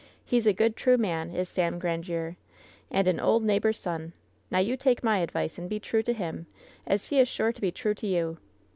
He's a good, true man, is Sam Qrandiere, and a ole neighbor's son. Now you take my advice and be true to him, as he is sure to be true to you.